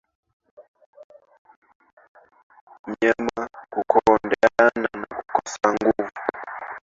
Mnyama kukondeana na kukosa nguvu